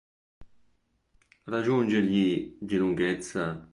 Raggiunge gli di lunghezza.